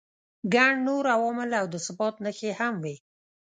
ګڼ نور عوامل او د ثبات نښې هم وي.